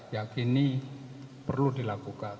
yakini perlu dilakukan